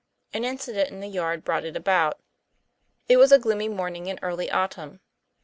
An incident in the yard brought it about. It was a gloomy morning in early autumn.